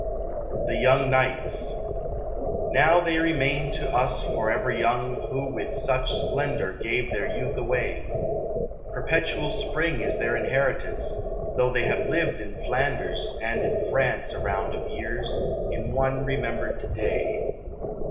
THE YOUNG KNIGHTS Now they remain to us forever young Who with such splendor gave their youth away; Perpetual Spring is their inheritance, Though they have lived in Flanders and in France A round of years, in one remembered day.